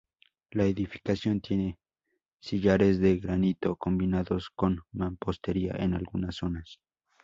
La edificación tiene sillares de granito, combinados con mampostería en algunas zonas.